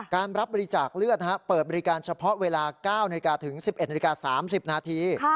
การรับบริจาคเลือดเปิดบริการเฉพาะเวลา๙นถึง๑๑น๓๐นาที